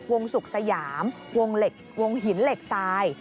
วงศุกร์สยามวงหินเหล็กทราย